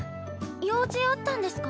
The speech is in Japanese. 用事あったんですか？